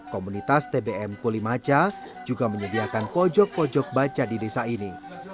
komunitas tbm kulimaca juga menyediakan pojok pojok baca di desa ini